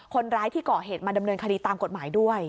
คนร้ายที่ก่อเหตุมาดำเนินคดีตามกฎหมายด้วย